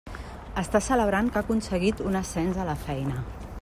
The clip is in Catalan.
Està celebrant que ha aconseguit un ascens a la feina.